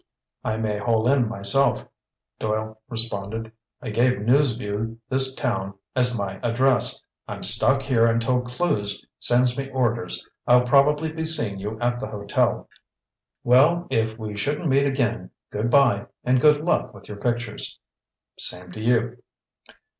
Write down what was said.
"I may hole in myself," Doyle responded. "I gave News Vue this town as my address. I'm stuck here until Clewes sends me orders. I'll probably be seeing you at the hotel." "Well, if we shouldn't meet again, good bye and good luck with your pictures." "Same to you."